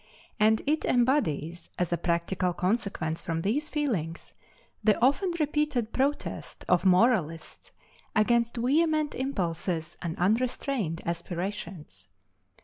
And it embodies, as a practical consequence from these feelings, the often repeated protest of moralists against vehement impulses and unrestrained aspirations.